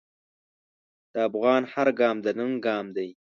د افغان هر ګام د ننګ ګام دی.